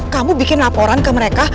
kamu bikin laporan ke mereka